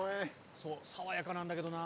そう爽やかなんだけどな。